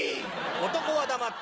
男は黙って。